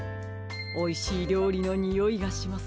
おいしいりょうりのにおいがします。